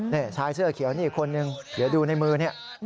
นี่ชายเสื้อเขียวนี่อีกคนนึงเดี๋ยวดูในมือนี่